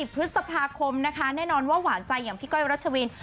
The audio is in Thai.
พฤษภาคมนะคะแน่นอนว่าหวานใจอย่างพี่ก้อยรัชวิน